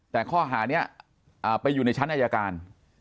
แต่ข้อหานี้ไปอยู่ในชั้นอายการ